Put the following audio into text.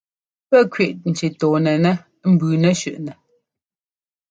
Pɛ́ kwiʼ ŋki tɔɔnɛnɛ́ ɛ́mbʉʉnɛ́ shʉ́ʼnɛ.